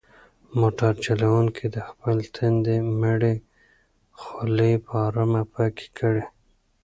موټر چلونکي د خپل تندي مړې خولې په ارامه پاکې کړې.